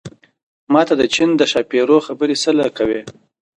ما ته د چين د ښاپېرو خبرې څه له کوې